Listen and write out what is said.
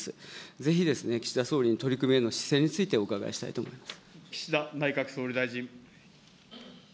ぜひ岸田総理に取り組みへの姿勢についてお伺いしたいと思います。